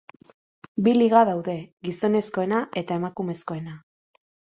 Bi Liga daude: gizonezkoena eta emakumezkoena.